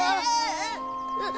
えっ？